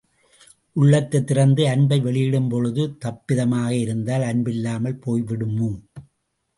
உள்ளத்தைத் திறந்து அன்பை வெளியிடும்பொழுது தப்பிதமாக இருந்தால், அன்பில்லாமல் போய்விடுமோ?